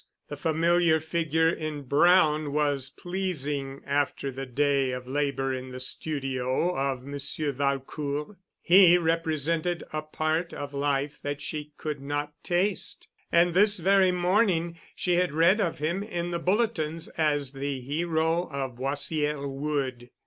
The familiar figure in brown was pleasing after the day of labor in the studio of Monsieur Valcourt. He represented a part of life that she could not taste—and this very morning she had read of him in the bulletins as the hero of Boissière wood.